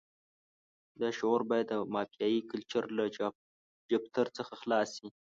دا شعور باید د مافیایي کلچر له جفتر څخه خلاص شي.